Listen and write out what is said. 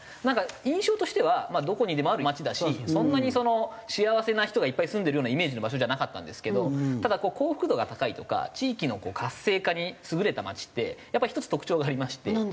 なんか印象としてはどこにでもある町だしそんなに幸せな人がいっぱい住んでるようなイメージの場所じゃなかったんですけどただ幸福度が高いとか地域の活性化に優れた町ってやっぱり一つ特徴がありまして。